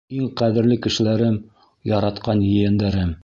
Иң ҡәҙерле кешеләрем, яратҡан ейәндәрем...